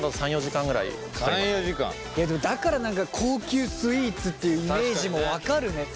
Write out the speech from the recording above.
僕らのだから何か高級スイーツっていうイメージも分かるね。